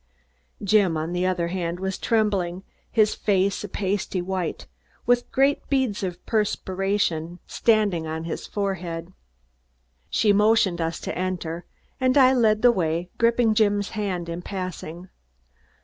Jim, on the other hand, was trembling, his face a pasty white, with great beads of perspiration standing on his forehead. She motioned us to enter, and I led the way, gripping Jim's hand in passing.